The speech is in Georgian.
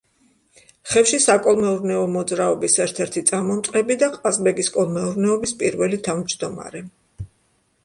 ხევში საკოლმეურნეო მოძრაობის ერთ-ერთი წამომწყები და ყაზბეგის კოლმეურნეობის პირველი თავმჯდომარე.